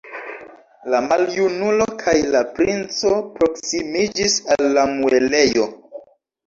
La maljunulo kaj la princo proksimiĝis al la muelejo.